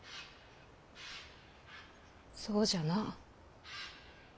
そうじゃな。